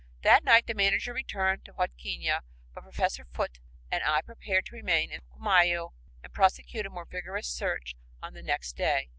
That night the manager returned to Huadquiña, but Professor Foote and I preferred to remain in Ccllumayu and prosecute a more vigorous search on the next day.